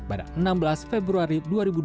pada enam belas februari